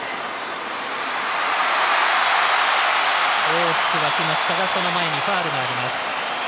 大きく沸きましたがその前にファウルがあります。